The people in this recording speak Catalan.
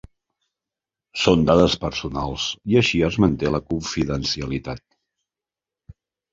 Són dades personals i així es manté la confidencialitat.